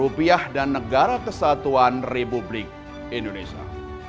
rupiah dan negara kesatuan republik indonesia